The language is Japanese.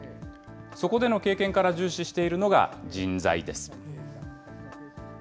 そこでの経験から重視しているのが、人材です。